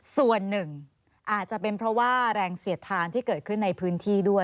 ส่วนหนึ่งอาจจะเป็นเพราะว่าแรงเสียดทานที่เกิดขึ้นในพื้นที่ด้วย